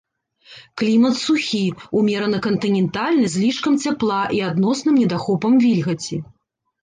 Клімат сухі, умерана-кантынентальны з лішкам цяпла і адносным недахопам вільгаці.